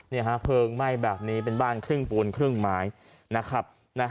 นี่ฮะเพลิงไหม้แบบนี้เป็นบ้านครึ่งปูนครึ่งไม้นะครับ